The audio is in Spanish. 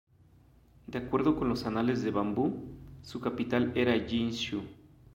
De acuerdo con los "Anales de Bambú", su capital era Yin Xu.